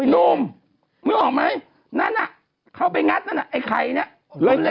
นุ่มมึงออกไหมนั้นอ่ะเขาไปงัดนั้นไอ้ไขนี้